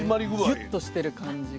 ギュッとしてる感じが。